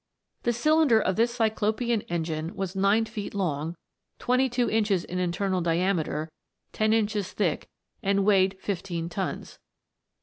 The cylinder of this Cyclopean engine was nine feet long, twenty two inches in internal diameter, ten inches thick, and weighed fifteen tons.